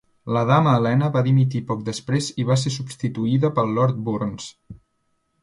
La dama Helena va dimitir poc després i va ser substituïda pel lord Burns.